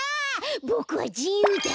ボクはじゆうだ！